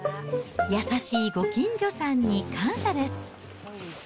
優しいご近所さんに感謝です。